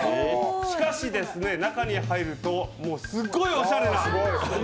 しかし、中に入るとすごいおしゃれな！